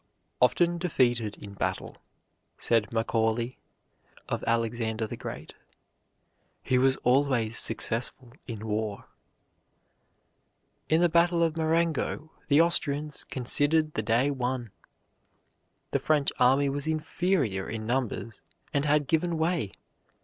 "Often defeated in battle," said Macaulay of Alexander the Great, "he was always successful in war." In the battle of Marengo, the Austrians considered the day won. The French army was inferior in numbers, and had given way.